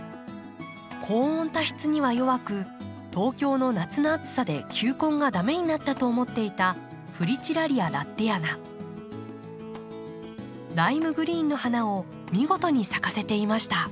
高温多湿には弱く東京の夏の暑さで球根が駄目になったと思っていたライムグリーンの花を見事に咲かせていました。